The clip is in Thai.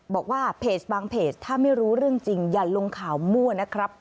บอกว่าเพจบางเพจถ้าไม่รู้เรื่องจริงอย่าลงข่าวมั่วนะครับ